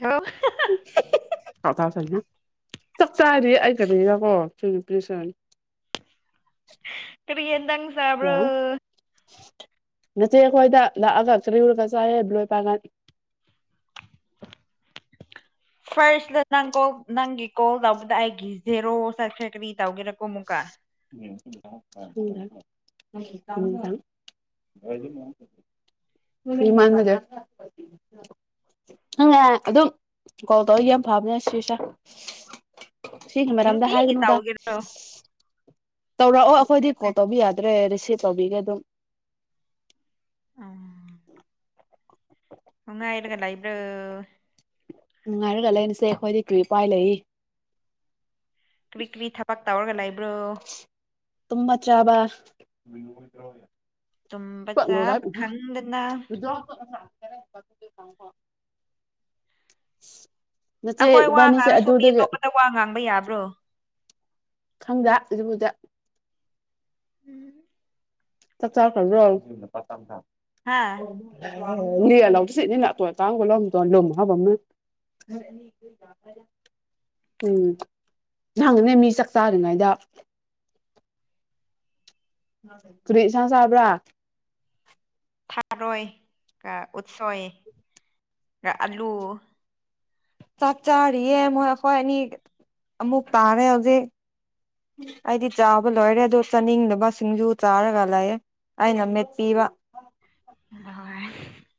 Hello [unintelligible] [inaudible] ꯆꯥꯛ ꯆꯥꯔꯤ ꯑꯩ ꯀꯔꯤꯔꯀꯣ ꯁꯤ ꯅꯨꯄꯤꯁꯦ꯫ [unintelligible] ꯀꯔꯤ ꯌꯦꯟꯗꯪ ꯋꯥ ꯅꯆꯦ ꯈꯣꯏꯗ ꯂꯥꯛꯑꯒ ꯀꯔꯤꯔꯒ ꯆꯥꯑꯦ ꯂꯣꯏ ꯄꯥꯟ ꯐꯥꯔꯁꯗ ꯅꯪ ꯀꯣꯜ ꯅꯪꯒꯤ ꯀꯣꯜ ꯇꯧꯕꯗ ꯑꯩꯒꯤ ꯖꯦꯔꯣ ꯆꯠꯈ꯭ꯔꯦ ꯀꯔꯤ ꯇꯧꯒꯦꯔꯀꯣ ꯑꯃꯨꯛꯀ꯫ [inaudible] [unintelligible] [unintelligible] ꯑꯗꯨꯝ ꯀꯣꯜ ꯇꯧꯔꯛꯏ ꯌꯥꯝ ꯐꯕꯅꯦ ꯁꯤꯁꯦ꯫ ꯁꯤꯒꯤ ꯃꯔꯝꯗ ꯅꯨꯡꯇꯤꯒꯤ ꯍꯥꯏꯒꯅꯨꯗ ꯇꯧꯒꯦꯔꫭ꯫ ꯇꯧꯔꯛꯑꯣ ꯑꯈꯣꯏꯗꯤ ꯀꯣꯜ ꯇꯧꯕ ꯌꯥꯗ꯭ꯔꯦ ꯔꯤꯁꯤꯞ ꯇꯧꯕꯤꯒꯦ ꯑꯗꯨꯝ꯫ ꯎꯝ꯫ ꯅꯨꯉꯥꯏꯔꯒ ꯂꯩꯕ꯭ꯔꯣ꯫ ꯅꯨꯡꯉꯥꯏꯔꯒ ꯂꯩꯅꯤꯁꯦ ꯑꯩꯈꯣꯏꯗꯤ ꯀ꯭ꯔꯤ ꯎꯄꯥꯏ ꯂꯩ꯫ ꯀ꯭ꯔꯤ-ꯀ꯭ꯔꯤ ꯊꯄꯛ ꯇꯧꯔꯒ ꯂꯩꯕ꯭ꯔꯣ꯫ ꯇꯨꯝꯃ ꯆꯥꯕ꯫ [unintelligible] [inaudible] ꯇꯨꯝꯕ ꯆꯥꯕ ꯈꯪꯗꯅ ꯅꯆꯦ ꯑꯩꯈꯣꯏ ꯋꯥ ꯏꯕꯥꯅꯤꯁꯦ ꯉꯥꯡꯔꯁꯨ ꯃꯤ ꯑꯗꯨꯗꯒꯤ ꯑꯇꯣꯞꯄꯗ ꯋꯥ ꯉꯥꯡꯕ ꯌꯥꯕ꯭ꯔꯣ꯫ ꯈꯪꯗꯦ ꯑꯗꯨꯕꯨꯗꯤ꯫ ꯆꯛ ꯆꯥꯈ꯭ꯔꯕ꯭ꯔꫭ꯫ ꯍꯥ [inaudible] [unintelligible] ꯎꯝ ꯅꯍꯥꯡꯒꯅꯦ ꯃꯤ ꯆꯥꯛ ꯆꯥꯔꯤꯉꯩꯗ꯫ ꯀ꯭ꯔꯤ ꯏꯁꯥꯡ ꯆꯥꯕ꯭ꯔꯥ꯫ ꯊꯥꯔꯣꯏ ꯀ ꯎꯠꯁꯣꯏ ꯒ ꯑꯥꯂꯨ꯫ ꯆꯥꯛ ꯆꯥꯔꯤꯌꯦ ꯃꯣꯏ ꯑꯩꯈꯣꯏ ꯑꯦꯅꯤ ꯑꯃꯨꯛ ꯇꯥꯔꯦ ꯍꯧꯖꯤꯛ꯫ ꯑꯩꯗꯤ ꯆꯥꯕ ꯂꯣꯏꯔꯦ ꯑꯗꯣ ꯆꯥꯅꯤꯡꯗꯕ ꯁꯤꯡꯖꯨ ꯆꯥꯔꯒ ꯂꯩꯥꯑꯦ꯫ ꯑꯩꯅ ꯃꯦꯠꯄꯤꯕ꯫ [inaudible]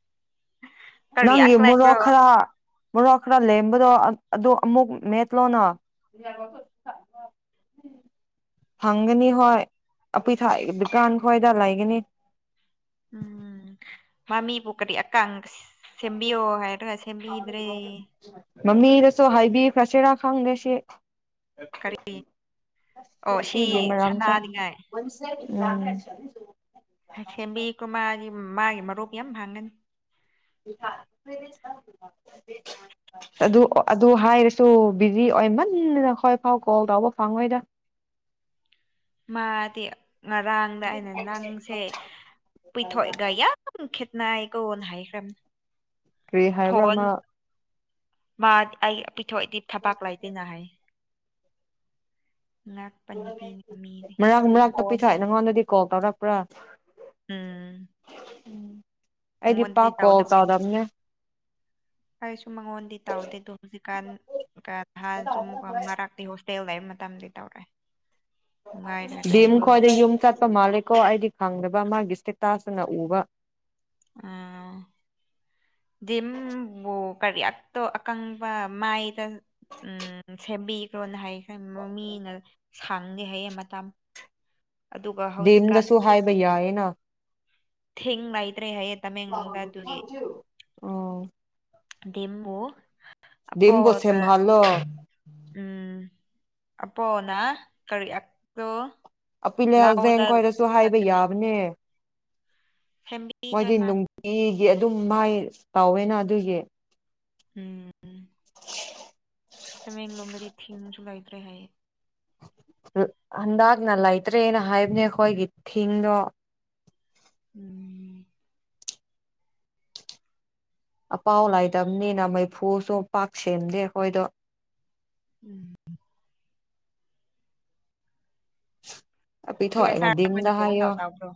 ꯀꯔꯤ ꯅꯪꯒꯤ ꯃꯣꯔꯣꯛ ꯂꯩꯕ꯭ꯔꯣ ꯈꯔꯥ ꯃꯣꯔꯣꯛ ꯈꯔꯥ ꯂꯦꯝꯕꯗꯣ ꯑ ꯑꯗꯨ ꯑꯃꯨꯛ ꯃꯦꯠꯂꯣꯅꯥ꯫ [unintelligible] [inaudible] ꯐꯪꯒꯅꯤ ꯍꯣꯏ ꯑꯄꯨꯏꯊꯥ ꯗꯨꯀꯥꯟ ꯈꯣꯏꯗ ꯂꯩꯒꯅꯤ꯫ ꯎꯝ ꯃꯥꯃꯤꯕꯨ ꯀꯔꯤ ꯑꯀꯪꯁ ꯁꯦꯝꯕꯤꯌꯣ ꯍꯥꯏꯔꯒ ꯁꯦꯝꯕꯤꯗ꯭ꯔꯦ꯫ ꯃꯃꯤꯗꯁꯨ ꯍꯥꯏꯕꯤꯈ꯭ꯔꯁꯤꯔꯥ ꯈꯪꯗꯦ ꯁꯤ꯫ ꯀꯔꯤ ꯑꯣ [inaudible] ꯁꯤ ꯑꯁꯤꯒꯤ ꯃꯔꯝꯁꯦ꯫ ꯁꯅꯥꯅꯤꯡꯉꯥꯏ [inaudible] ꯎꯝ꯫ ꯁꯦꯝꯕꯤ ꯀ꯭ꯔꫭ ꯃꯥꯒꯤ ꯃꯥꯒꯤ ꯃꯔꯨꯞ ꯌꯥꯝ ꯍꯪꯒꯅꯤ꯫ [unintelligible] [inaudible] [unintelligible] ꯑꯗꯨ ꯑꫭ ꯑꯗꯨ ꯍꯥꯏꯔꯁꯨ ꯕꯤꯖꯤ ꯑꯣꯏꯃꯟꯗꯅ ꯍꯣꯏ ꯐꯥꯎ ꯀꯣꯜ ꯇꯧꯕ ꯐꯪꯉꯣꯏꯗ꯫ ꯃꯥꯗꯤ ꯉꯔꯥꯡꯗ ꯑꯩꯅ ꯅꯪꯁꯦ ꯄꯤꯊꯣꯛꯑꯒ ꯌꯥꯝ ꯈꯦꯠꯅꯩ ꯀꯣꯅ ꯍꯥꯏꯈꯔꯝ ꯀꯔꯤ ꯍꯥꯏꯕ꯭ꯔꯥ ꯐꯣꯟ ꯑꯃ ꯃꯥ ꯑꯩ ꯄꯤꯊꯣꯛꯑꯗꯤ ꯊꯕꯥꯛ ꯂꯩꯇꯦꯅ ꯍꯥꯏ ꯉꯥꯛꯄ ꯅꯨꯄꯤꯅꯤ ꯃꯤꯗꯤ ꯃꯔꯥꯡ ꯃꯔꯥꯛꯇꯄꯣꯛꯢ ꯐꯣꯟꯗꯣ ꯅꯪꯉꯣꯟꯗꯗꯤ ꯀꯣꯜ ꯇꯧꯔꯛꯄ꯭ꯔꯥ ꯎꯝ ꯎꯝ ꯃꯥꯉꯣꯟꯗꯗꯤ ꯇꯧꯗꯕꯗꯣ ꯑꯩꯁꯨ ꯃꯉꯣꯟꯗꯤ ꯇꯥꯎꯗꯦꯗꯨ ꯍꯧꯖꯤꯛꯀꯥꯟ ꯅꯍꯥꯟꯁꯨ ꯑꯃꯨꯛꯀ ꯃꯔꯥꯛꯇꯤ ꯍꯣꯁꯇꯦꯜꯗ ꯃꯇꯝꯗꯤ ꯇꯧꯔꯛꯑꯦ ꯅꯨꯡꯉꯥꯏꯔꯒ ꯗꯤꯝ ꯂꯩꯕ꯭ꯔꯣ ꯈꯣꯏꯗ ꯌꯨꯝ ꯆꯠꯄ ꯃꯥꯜꯂꯦꯀꯣ ꯑꯩꯗꯤ ꯈꯪꯗꯕ ꯃꯥꯒꯤ ꯏꯁꯇꯦꯇꯥꯁꯇꯅ ꯎꯨꯕ ꯑꯝ ꯗꯤꯝꯕꯨ ꯀꯔꯤ ꯑꯇꯣ ꯑꯀꯪꯕ ꯃꯥꯏꯗ ꯎꯝ ꯁꯦꯝꯕꯤꯈ꯭ꯔꯣꯅ ꯍꯥꯏꯌꯦꯈ꯭ꯔꯦ ꯃꯤꯅ ꯁꯥꯡꯗꯦ ꯍꯥꯏꯌꯦꯡ ꯃꯇꯝ ꯑꯗꯨꯒ ꯍꯧꯖꯤꯛꯀꯥꯟ ꯗꯤꯝꯗꯁꯨ ꯍꯥꯏꯕ ꯌꯥꯢꯌꯦꯅ ꯊꯤꯡ ꯂꯩꯇ꯭ꯔꯦ ꯍꯥꯏꯌꯦ ꯇꯃꯦꯡꯂꯣꯡꯗ ꯑꯗꯨꯒꯤ ꯑꯣ ꯗꯤꯝꯕꯨ ꯗꯤꯡꯕꯨ ꯑꯄꯣꯗ ꯁꯦꯝꯍꯥꯜꯂꯣ ꯎꯝ ꯑ ꯅ ꯀꯔꯤ ꯑꯣ [inaudible] ꯑꯄꯤꯜ [inaudible] ꯍꯖꯦꯡ ꯈꯣꯏꯗꯁꯨ ꯍꯥꯏꯕ ꯌꯥꯕꯅꯦ ꯁꯦꯝꯕꯤꯗꯣꯏ ꯃꯣꯏꯗꯤ ꯃꯥꯜꯂꯦ ꯅꯨꯡꯇꯤꯒꯤ ꯑꯗꯨꯝ ꯃꯥꯏ ꯇꯧꯋꯦꯅ ꯑꯗꯨꯒꯤ ꯎꯝ ꯇꯃꯦꯡꯂꯣꯡꯕꯗꯤ ꯊꯤꯝꯁꯨ ꯂꯩꯇꯔꯦ ꯍꯥꯢꯑꯦ ꯍꯟꯗꯛꯅ ꯂꯩꯇ꯭ꯔꯦꯅ ꯍꯥꯏꯕꯅꯦ ꯑꯩꯈꯣꯏꯒꯤ ꯊꯤꯡꯗꯣ ꯎꯝ ꯑꯄꯥꯎ ꯂꯩꯗꯕꯅꯤꯅ ꯃꯩꯐꯨꯁꯨ ꯄꯥꯛ ꯁꯦꯝꯗꯦ ꯑꯩꯈꯣꯏꯗꯣ ꯎꯝ ꯁꯣꯏ ꯑꯄꯤꯊꯣꯏꯒ ꯁꯥꯔ ꯑꯩꯈꯣꯏꯗ ꯗꯤꯡꯒ ꯀꯣꯜ ꯍꯥꯏꯌꯣ ꯇꯧ ꯇꯧꯕ꯭ꯔꯣ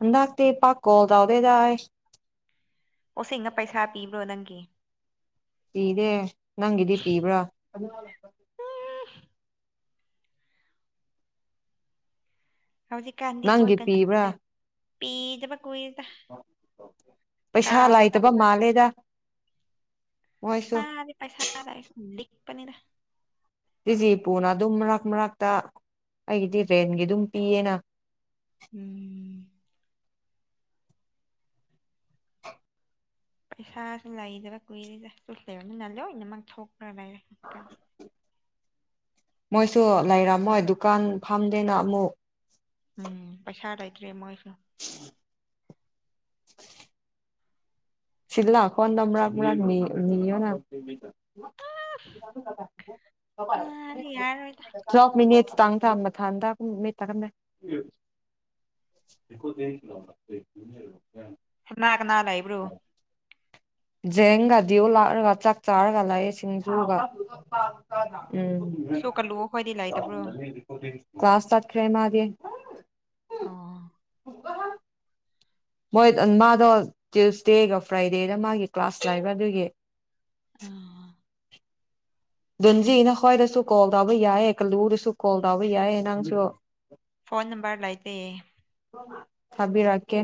ꯍꯟꯗꯛꯇꯤ ꯄꯥꯛ ꯀꯣꯜ ꯇꯧꯗꯦꯗ ꯑꯩ ꯑꯣꯁꯤꯅ ꯄꯩꯁꯥ ꯄꯤꯕ꯭ꯔꯣ ꯅꯪꯒꯤ ꯄꯤꯗꯦ ꯅꯪꯒꯤꯗꯤ ꯄꯤꯕ꯭ꯔꯣ ꯎꯝ [inaudible] ꯍꯧꯖꯤꯛꯀꯥꯟꯗꯤ ꯍꯣꯏ ꯅꯪꯒꯤ ꯄꯤꯕ꯭ꯔꯥ [inaudible] ꯄꯤꯗꯕ ꯀꯨꯏꯗ ꯀꯥꯎꯒꯔꯥꯃꯥꯜꯂꯦ ꯇꯥꯜꯂꯦꯗ ꯄꯥꯗꯤ ꯄꯩꯁꯥꯒꯥꯏꯅ ꯂꯤꯛꯄꯅꯤꯗ ꯇꯤꯖꯤꯄꯨꯅ ꯑꯗꯨꯝ ꯃꯔꯛ ꯃꯔꯛꯇ ꯑꯩꯒꯤꯗꯤ ꯔꯦꯟꯒꯤ ꯑꯗꯨꯝ ꯄꯤꯌꯦꯅ ꯎꯝ ꯄꯩꯁꯥꯁꯨ ꯂꯩꯗꯕ ꯀꯨꯏꯔꯤꯗ ꯆꯨ ꯂꯩꯕꯅꯤꯅ ꯂꯣꯏꯅꯃꯛ ꯊꯣꯛꯈ꯭ꯔ ꯂꯩꯔꯦ ꯃꯣꯏꯁꯨ ꯂꯩꯔꯝꯃꯣꯏ ꯗꯨꯀꯥꯟ ꯐꯥꯝꯗꯦꯅ ꯑꯃꯨꯛ ꯎꯝ ꯄꯩꯁꯥ ꯂꯩꯇ꯭ꯔꯦ ꯃꯣꯏꯁꯨ [inaudible] ꯁꯤ ꯂꯥꯛꯄꯒꯥꯟꯗ ꯃꯔꯛ ꯃꯔꯛ ꯅꯤꯌꯣ ꯍꯥꯢꯕꯅꯦ ꯑꯁ ꯃꯗꯤ ꯌꯥꯔꯣꯏꯗ ꯇꯐ ꯃꯤꯅꯤꯠ ꯇꯥꯡ ꯇ ꯃ ꯊꯥꯗ ꯃ ꯇꯝꯗ [inaudible] [inaudible] ꯀꯅꯥ ꯀꯅꯥ ꯂꯩꯕ꯭ꯔꯣ ꯖꯦꯡꯒ ꯗꯤꯌꯨ ꯂꯥꯛꯔꯒ ꯆꯥꯛ ꯆꯥꯔꯒ ꯂꯩꯑꯦ ꯁꯤꯡꯖꯨꯒ ꯎꯝ ꯁꯣ ꯀꯜꯂꯨꯑꯣ ꯈꯣꯏꯗꯤ ꯂꯩꯇꯕ꯭ꯔꯣ ꯀ꯭ꯂꯥꯁ ꯆꯠꯈ꯭ꯔꯦ ꯃꯥꯗꯤ ꯑꯣ [inaudible] ꯃꯣꯏ ꯃꯥꯗꯣ ꯇꯨꯏꯁꯗꯦꯒ ꯐ꯭ꯔꯥꯏꯗꯦꯒ ꯃꯥꯒꯤ ꯀ꯭ꯂꯥꯁ ꯂꯥꯏꯕ ꯑꯗꯨꯒꯤ ꯑꯣ ꯗꯦꯟꯖꯤ ꯅꯍꯣꯏꯗꯁꯨ ꯀꯣꯜ ꯇꯧꯕ ꯌꯥꯏꯌꯦ ꯀꯜꯂꯨꯗꯁꯨ ꯀꯣꯜ ꯇꯧꯕ ꯌꯥꯏꯌꯦ ꯅꯪꯁꯨ ꯐꯣꯟ ꯅꯝꯕꯔ ꯂꯥꯏꯇꯌꯦ ꯊꯥꯕꯤꯔꯛꯀꯦ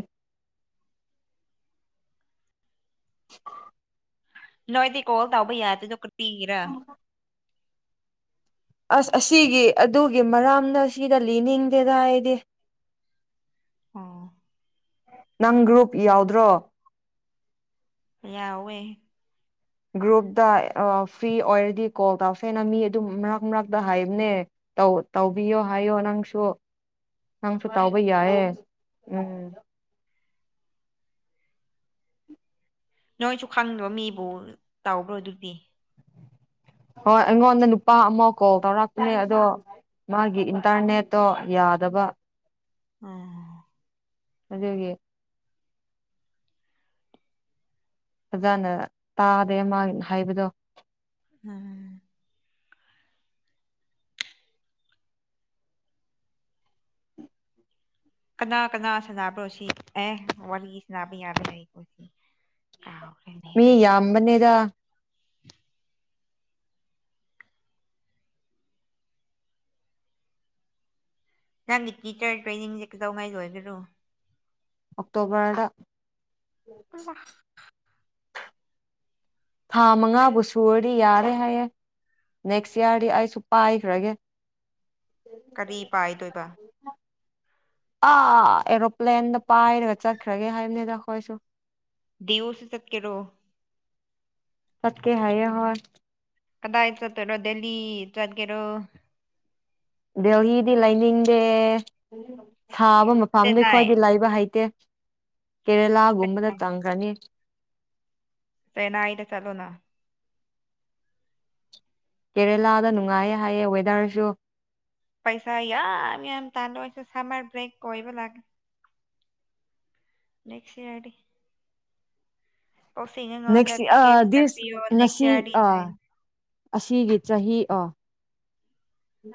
[inaudible] ꯅꯣꯏꯗꯤ ꯀꯣꯜ ꯇꯧꯕ ꯌꯥꯗꯔ꯭ꯤꯗꯣ ꯀꯔꯤꯒꯤꯔꯥ ꯑꯁ ꯑꯁꯤꯒꯤ ꯑꯗꯨꯒꯤ ꯃꯔꯝꯗꯣ ꯁꯤꯗ ꯂꯤꯅꯤꯡꯗꯦꯗ ꯑꯩꯗꯤ ꯎꯝ ꯅꯪ ꯒ꯭ꯔꯨꯞ ꯌꯥꯎꯗ꯭ꯔꯣ ꯌꯥꯎꯋꯦ ꯒ꯭ꯔꯨꯞꯇ ꯐ꯭ꯔꯤ ꯑꯣꯏꯔꯗꯤ ꯀꯣꯜ ꯇꯧꯁꯦꯅ ꯃꯤ ꯑꯗꯨꯝ ꯃꯔꯛ ꯃꯔꯛꯇ ꯍꯥꯏꯕꯅꯦ ꯇꯧ ꯇꯧꯕꯤꯌꯣ ꯍꯥꯏꯌꯣ ꯅꯪꯁꯨ ꯅꯪꯁꯨ ꯇꯥꯎꯕ ꯌꯥꯏꯌꯦ ꯎꯝ ꯅꯣꯏꯁꯨ ꯈꯪꯗꯕ ꯃꯤꯕꯨ ꯇꯕ꯭ꯔꯣ ꯑꯗꯨꯗꯤ ꯍꯣꯏ ꯑꯩꯉꯣꯟꯗ ꯅꯨꯄꯥ ꯑꯃ ꯀꯣꯜ ꯇꯧꯔꯛꯄꯅꯦ ꯑꯗꯣ ꯃꯥꯒꯤ ꯏꯟꯇꯔꯅꯦꯠꯇꯣ ꯌꯥꯗꯕ ꯑꯣ ꯑꯗꯨꯒꯤ ꯐꯖꯥꯅ ꯇꯥꯗꯦ ꯃꯥꯟ ꯍꯥꯏꯕꯗꯣ ꯎꯝ [inaudible] ꯀꯅꯥ ꯀꯅꯥ ꯁꯥꯅꯕ꯭ꯔꯣ ꯁꯤ ꯑꯦ ꯋꯥꯔꯤ ꯁꯅꯥꯕ ꯌꯥꯗꯔꯦ ꯑꯩꯈꯣꯏꯗꯤ ꯀꯥꯎꯔꯦ ꯃꯤ ꯌꯥꯕꯅꯦꯗ ꯅꯪꯗꯤ ꯇꯤꯆꯔ ꯇ꯭ꯔꯦꯅꯤꯡꯁꯦ ꯀꯩꯗꯧꯉꯥꯏ ꯂꯣꯏꯒꯦꯔꯣ ꯑꯣꯛꯇꯣꯕꯔꯗ ꯏ [unintelligible] [inaudible] ꯊꯥ ꯃꯉꯥꯕꯨ ꯁꯨꯔꯗꯤ ꯌꯥꯔꯦ ꯍꯥꯏꯌꯦ ꯅꯦꯛꯁ ꯏꯌꯥꯔꯗꯤ ꯑꯩꯁꯨ ꯄꯥꯏꯈ꯭ꯔꯒꯦ ꯀꯔꯤ ꯄꯥꯏꯗꯣꯏꯕ ꯑꯥ ꯑꯦꯔꯣꯄ꯭ꯂꯦꯟꯗ ꯄꯥꯏꯔꯒ ꯆꯠꯈ꯭ꯔꯒꯦ ꯍꯥꯏꯕꯅꯤꯗ ꯑꯩꯈꯣꯏꯁꯨ ꯗꯤꯌꯨꯁꯨ ꯆꯠꯀꯦꯔꯣ ꯆꯠꯀꯦ ꯍꯥꯏꯌꯦ ꯍꯣꯏ ꯑꯗꯥꯏ ꯆꯇꯧꯅꯣ ꯗꯦꯜꯂꯤ ꯆꯠꯀꯦꯔꯣ ꯗꯦꯜꯂꯤꯗꯤ ꯂꯩꯅꯤꯡꯗꯦ ꯁꯥꯕ ꯐꯝꯗꯩ ꯆꯦꯟꯅꯥꯏ ꯈꯣꯏꯗꯤ ꯂꯥꯏꯕ ꯍꯩꯇꯦ ꯀꯦꯔꯦꯂꯥꯒꯨꯝꯕꯗ ꯆꯪꯈ꯭ꯔꯅꯤ ꯆꯦꯅꯥꯏ ꯗ ꯆꯠꯂꯣꯅꯥ ꯀꯦꯔꯦꯂꯥꯗ ꯅꯨꯡꯉꯥꯏꯌꯦ ꯍꯥꯏꯌꯦ ꯋꯦꯗꯔꯁꯨ ꯄꯩꯁꯥ ꯌꯝꯌꯝ ꯇꯥꯜꯂꯨ ꯑꯩꯁꯨ ꯁꯥꯃꯔ ꯕꯔꯦꯛ ꯀꯣꯏꯕꯥ ꯂꯥꯛꯀꯦ ꯅꯦꯛꯁ ꯏꯌꯥꯔꯗꯤ ꯑꯣ ꯅꯦꯛꯁ ꯑ ꯁꯤꯣ ꯗꯤꯁ ꯀꯦꯣ ꯉꯁꯤ ꯑ [unintelligible] ꯑꯁꯤꯒꯤ ꯆꯍꯤ ꯑꯣ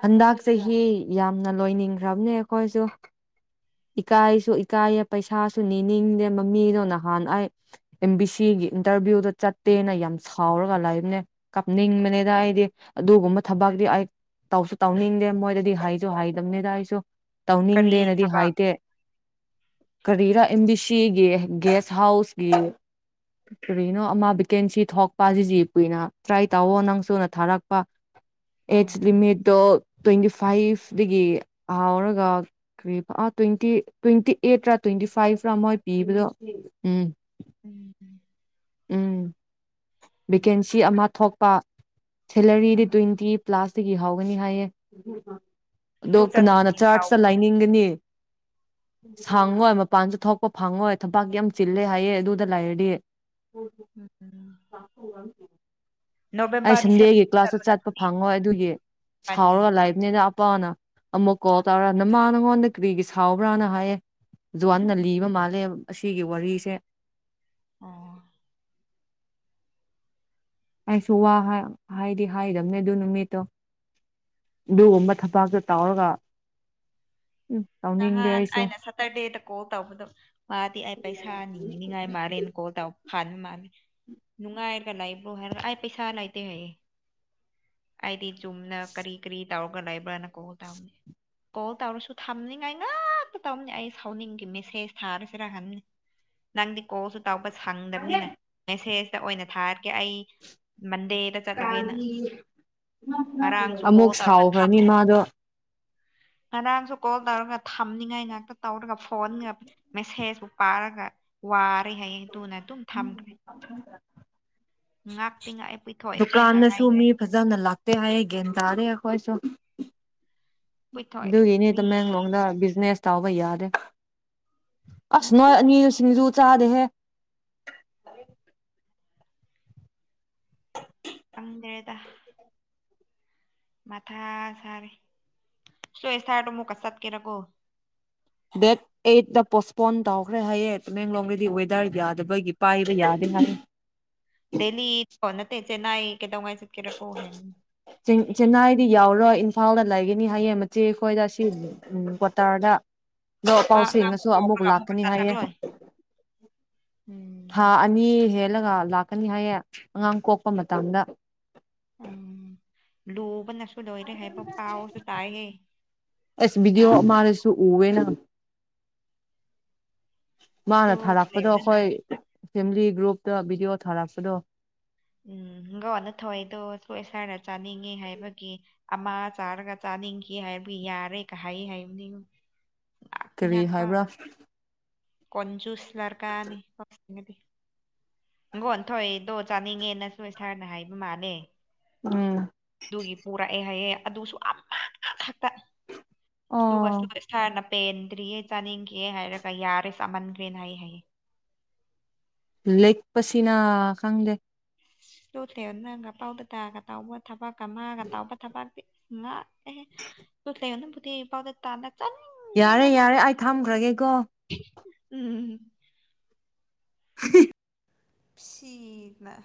ꯍꯟꯗꯛ ꯆꯍꯤ ꯌꯥꯝꯅ ꯂꯣꯏꯅꯤꯡꯈ꯭ꯔꯕꯅꯦ ꯑꯩꯈꯣꯏꯁꯨ ꯏꯀꯥꯏꯁꯨ ꯏꯀꯥꯏꯌꯦ ꯄꯩꯁꯥꯁꯨ ꯅꯤꯡꯗꯦ ꯃꯃꯤꯗꯣ ꯅꯍꯥꯟ ꯑꯩ ꯑꯦꯝ ꯕꯤ ꯁꯤꯒꯤ ꯏꯟꯇꯔꯚꯤꯌꯨꯗ ꯆꯠꯇꯦꯅ ꯌꯥꯝ ꯁꯥꯎꯔꯒ ꯂꯥꯏꯕꯅꯦ ꯀꯥꯞꯅꯤꯡꯕꯅꯤꯗ ꯑꯩꯗꯤ ꯑꯗꯨꯒꯨꯝꯕ ꯊꯕꯤ ꯑꯩ ꯇꯧꯁꯨ ꯇꯧꯅꯤꯡꯗꯦ ꯃꯣꯏꯗꯗꯤ ꯍꯥꯏꯁꯨ ꯍꯥꯏꯗꯝꯅꯤꯗ ꯑꯩꯁꯨ ꯀꯔꯤ ꯇꯧꯅꯤꯡꯗꯦꯅꯗꯤ ꯍꯥꯏ ꯊꯕꯛ ꯗꯦ ꯀꯔꯤꯔꯥ ꯑꯦꯝꯕꯤ ꯁꯤꯒꯤ ꯒꯦꯁ ꯍꯥꯎꯁꯀꯤ ꯀꯔꯤꯅꯣ ꯑꯃ ꯚꯦꯀꯦꯟꯁꯤ ꯊꯣꯛꯄ ꯖꯤꯖꯤ ꯀꯨꯏꯅ ꯇ꯭ꯔꯥꯏ ꯇꯧꯑꯣ ꯅꯪꯁꯨꯨꯅ ꯊꯥꯔꯛꯄ ꯑꯦꯖ ꯑꯣ ꯂꯤꯃꯤꯠꯇꯣ ꯇ꯭ꯋꯦꯟꯇꯤ ꯐꯥꯏꯚꯗꯒꯤ ꯍꯥꯎꯔꯒ ꯀꯔꯤ ꯇ꯭ꯋꯦꯟꯇꯤ ꯇ꯭ꯋꯦꯟꯇꯤ ꯑꯩꯠꯇ꯭ꯔꯥ ꯇ꯭ꯋꯦꯟꯇꯤ ꯐꯥꯏꯚ ꯔꯥ ꯃꯣꯏ ꯄꯤꯕꯗꯣ ꯎꯝ ꯎꯝ [unintelligible] [inaudible] ꯎꯝ ꯚꯦꯀꯦꯟꯁꯤ ꯑꯃ ꯊꯣꯛꯄ ꯁꯦꯂꯔꯤꯗꯤ ꯇ꯭ꯋꯦꯟꯇꯤ ꯀ꯭ꯂꯥꯁꯇꯒꯤ ꯍꯥꯎꯒꯅꯤ ꯍꯥꯏꯌꯦ ꯑꯗꯣ ꯑꯗꯨ ꯀꯅꯥꯅ ꯆꯠꯇꯕꯒꯤ ꯆꯥꯔꯆꯇ ꯁꯥꯎꯕ꯭ꯔꯣ ꯂꯥꯏꯅꯤꯡꯒꯅꯤ ꯁꯪꯉꯣꯏ ꯃꯄꯥꯟꯁꯨ ꯊꯣꯛꯄ ꯐꯪꯉꯣꯏ ꯊꯝꯄꯥꯛꯀꯤ ꯌꯥꯝ ꯆꯤꯜꯂꯦ ꯍꯥꯏꯌꯦꯦ ꯑꯗꯨꯗ ꯂꯩꯔꯗꯤ ꯎꯝꯝ [unintelligible] [inaudible] ꯎ [unintelligible] [unintelligible] ꯑꯩ ꯁꯟꯗꯦꯒꯤ ꯗꯤꯁꯦꯝꯕꯔ ꯀ꯭ꯂꯥꯁꯇ ꯆꯠꯄ ꯆꯠꯂꯨꯔꯗꯨꯅꯤ ꯐꯪꯉꯣꯏ ꯑꯗꯨꯒꯤ ꯏꯕꯥꯅꯤ ꯁꯥꯎꯔꯒ ꯂꯥꯏꯛ ꯅꯦꯅ ꯑꯄꯥꯅ ꯑꯃꯨꯛ ꯀꯣꯜ ꯇꯧꯔ ꯅꯃ ꯅꯉꯣꯟꯗ ꯀꯔꯤꯒꯤ ꯁꯥꯎꯕ꯭ꯔꯥꯅ ꯍꯥꯏꯌꯦ ꯍꯑꯋꯥꯟ ꯅꯥ ꯂꯤꯕ ꯃꯥꯜꯂꯦ ꯑꯁꯤꯒꯤ ꯋꯥꯔꯤꯁꯦ ꯑꯣ ꯑꯩꯁꯨ ꯋꯥ ꯍꯥꯏꯗꯤ ꯍꯥꯏꯗꯕꯅꯦ ꯑꯗꯨ ꯅꯨꯃꯤꯠꯇꯣ ꯑꯗꯨꯒꯨꯝꯕ ꯊꯕꯥꯛꯇ ꯇꯧꯔꯒ ꯎꯝ ꯇꯧꯅꯤꯡꯗꯦ ꯅꯍꯥꯟ ꯑꯩꯁꯨ ꯑꯩꯅ ꯁꯇꯔꯗꯦꯗ ꯀꯣꯜ ꯇꯧꯕꯗꯣ ꯃꯥꯗꯤ ꯑꯩ ꯄꯩꯁꯥ ꯅꯤꯡꯅꯤꯉꯤꯅꯤꯉꯥꯏ ꯃꯥꯜꯂꯦꯅꯀꯣꯗꯥꯥꯎ ꯐꯅꯤ ꯃꯥꯜꯅꯤ ꯅꯨꯡꯉꯥꯏꯔꯒ ꯂꯩꯕ꯭ꯔꯣ ꯍꯥꯏꯔ ꯑꯩꯥꯏ ꯄꯩꯁꯥ ꯂꯩꯥꯏꯇꯦ ꯍꯥꯏꯌꯦ ꯑꯩꯗꯤ ꯆꯨꯝꯅ ꯀꯔꯤ ꯀꯔꯤ ꯇꯧꯔꯒ ꯂꯩꯕ꯭ꯔꯅ ꯀꯣꯜ ꯇꯧꯅꯤ ꯀꯣꯜ ꯇꯧꯔꯁꯨ ꯊꯝꯅꯤꯡꯉꯥꯏ ꯉꯇ ꯇꯧꯅꯤ ꯑꯩ ꯁꯥꯎꯅꯤꯡꯈꯤ ꯃꯦꯁꯦꯁ ꯊꯥꯔꯁꯤꯔꯍꯟꯅꯤ ꯅꯪꯗꯤ ꯀꯣꯜꯁꯨ ꯇꯥꯎꯕ ꯁꯪꯗꯕꯅꯤꯅ ꯃꯦꯁꯦꯖꯇ ꯑꯣꯏꯅ ꯊꯥꯔꯀꯦ ꯑꯩ ꯃꯟꯗꯦꯗ ꯆꯠꯂꯒꯦꯅ ꯉꯔꯥꯡꯁꯨ ꯀꯣꯜ ꯇꯧꯔꯒ ꯊꯝꯃ ꯇꯥꯗ꯭ꯔꯣ ꯉꯔꯥꯡꯁꯨ ꯀꯣꯜ ꯇꯧꯔꯒ ꯊꯝꯅꯤꯉꯥꯏ ꯉꯥꯛꯇ ꯇꯧꯔꯒ ꯐꯣꯟꯒ ꯃꯦꯁꯦꯖꯄꯨ ꯄꯥꯔꯒ ꯋꯥꯔꯦ ꯍꯥꯏꯌꯦ ꯗꯨꯅ ꯗꯨꯝ ꯊꯝꯈ꯭ꯔꯦ ꯑ [inaudible] ꯉꯥꯛꯇꯤ ꯉꯥꯛꯑꯦ ꯄꯤꯊꯣꯛꯑꯦ ꯑꯩꯈꯣꯏꯒ ꯍꯥꯏ ꯗꯨꯀꯥꯟꯗꯁꯨ ꯃꯤ ꯐꯖꯅ ꯂꯥꯛꯇꯦ ꯍꯥꯏꯌꯦ ꯒ꯭ꯌꯥꯟ ꯇꯥꯗꯦ ꯑꯩꯈꯣꯏꯁꯨ ꯑꯗꯨꯒꯤꯅꯤ ꯄꯨꯏꯊꯣꯛꯗꯤ ꯇꯃꯦꯡꯂꯣꯡꯗ ꯕꯤꯖꯅꯦꯁ ꯇꯥꯎꯕ ꯌꯥꯗꯦ ꯑꯁ ꯅꯨꯡꯇꯤ ꯅꯣꯏ ꯑꯅꯤ ꯁꯤꯡꯖꯨ ꯆꯥꯗꯦꯍꯦ ꯍꯪꯗ꯭ꯔꯦꯗ ꯃꯥꯊꯥ ꯁꯥꯔꯦ ꯁꯣꯏ [unintelligible] ꯁꯥꯔꯗꯣ [unintelligible] ꯑꯃꯨꯛꯀ ꯆꯠꯀꯦꯔꯀꯣ ꯗꯦꯠ ꯑꯦꯠꯇ ꯄꯣꯁꯄꯣꯟ ꯇꯧꯈ꯭ꯔꯦ ꯍꯥꯏꯌꯦ ꯇꯃꯦꯡꯂꯣꯡꯒꯤꯗꯤ ꯋꯦꯗꯔ ꯌꯥꯗꯕꯒꯤ ꯄꯥꯏꯕ ꯌꯥꯗꯦ ꯍꯥꯏ ꯗꯦꯂꯤ ꯅꯠꯇꯦ ꯆꯦꯅꯥꯏ ꯀꯩꯗꯧꯉꯩ ꯆꯦꯠꯀꯔꯀꯣ ꯍꯥꯏꯕꯅꯤ ꯆꯦꯟꯅꯥꯏꯗꯤ ꯌꯥꯎꯔꯣꯏ ꯏꯝꯐꯥꯜꯗ ꯂꯩꯒꯅꯤ ꯍꯥꯏꯌꯦ ꯃꯆꯦꯈꯣꯏꯗ ꯁꯤꯜ ꯎꯝ ꯀ꯭ꯋꯥꯇꯥꯔꯗ ꯂꯣ ꯃꯥ ꯑꯉꯥꯡ ꯄꯥꯎꯁꯤꯡꯅꯁꯨ ꯑꯃꯨꯛ ꯄꯣꯛꯈ꯭ꯔꯒ ꯑꯃꯨꯛꯀ ꯂꯥꯛꯀꯅꯤ ꯍꯥꯏꯌꯦ ꯆꯠꯂꯔꯣꯏ ꯊꯥ ꯎꯝ ꯑꯅꯤ ꯍꯦꯜꯂꯒ ꯂꯥꯛꯀꯅꯤ ꯍꯥꯏꯌꯦ ꯑꯉꯥꯡ ꯀꯣꯛꯄ ꯃꯇꯝꯗ ꯎꯝ ꯂꯨꯕꯅꯦ ꯂꯣꯏꯔꯦ ꯍꯥꯏꯕ ꯄꯥꯎꯁꯨ ꯇꯥꯏꯌꯦ ꯃꯥ ꯇꯨ ꯎꯋꯦꯅ ꯃꯥꯅ ꯊꯥꯔꯛꯄꯗꯣ ꯊꯤꯜꯂꯦꯟꯗ ꯑꯈꯣꯏ ꯐꯦꯃꯤꯂꯤ ꯒ꯭ꯔꯨꯞꯇ ꯚꯤꯗꯤꯑꯣ ꯊꯥꯔꯛꯄꯗꯣ ꯎꯝ ꯒꯣꯅ ꯊꯣꯏꯗꯣ ꯁꯣꯏ ꯈꯔ ꯆꯥꯅꯤꯡꯉꯤ ꯍꯥꯏꯕꯒꯤ ꯑꯃꯥ ꯆꯥꯔꯒ ꯆꯥꯅꯤꯡꯈꯤ ꯍꯥꯏꯕ ꯌꯥꯔꯦ ꯀ ꯍꯥꯏ ꯍꯥꯏꯕꯅꯤ ꯀꯔꯤ ꯍꯥꯏꯕ꯭ꯔꯥ ꯀꯣꯟꯆꯨꯁ ꯂꯔꯀꯥꯅꯤ ꯐꯗꯤ [unintelligible] ꯒꯣꯟꯊꯣꯏꯗꯣ ꯆꯥꯅꯤꯡꯉꯦꯅꯁꯨ ꯁꯥꯔꯅ ꯍꯥꯏꯕ ꯃꯥꯜꯂꯦ ꯎꯝ ꯑꯗꯨꯒꯤ ꯄꯨꯔꯛꯑꯦ ꯍꯥꯏꯌꯦ ꯑꯗꯨꯁꯨ ꯑꯃ ꯈꯛꯇ ꯑꯣ ꯑꯗꯨꯒ ꯁꯥꯔꯅ ꯄꯦꯟꯗ꯭ꯔꯤꯌꯦ ꯆꯥꯅꯤꯡꯈꯤꯌꯦ ꯍꯥꯏꯔꯒ ꯌꯥꯔꯦ ꯆꯥꯃꯟꯈ꯭ꯔꯦꯅ ꯍꯥꯏ ꯍꯥꯏꯌꯦ ꯂꯦꯛꯄꯁꯤꯅ ꯈꯪꯗꯦ ꯂꯣꯇꯦ ꯅꯪꯒ ꯄꯥꯎꯗ ꯇꯥꯒ ꯇꯥꯎꯕ ꯊꯕꯛꯀ ꯃꯥꯒ ꯇꯥꯎꯕ ꯊꯕꯛꯇꯤ ꯉꯥ ꯑꯦ ꯂꯣꯇꯦ ꯅꯪꯕꯨꯇꯤ ꯄꯥꯎꯗ ꯇꯥꯟꯅ ꯌꯥꯔꯦ ꯆꯟꯅꯤꯡꯕ ꯌꯥꯔꯦ ꯑꯩ ꯊꯝꯈ꯭ꯔꯒꯦꯀꯣ ꯎꯝ [unintelligible] ꯁꯤ ꯅꯥ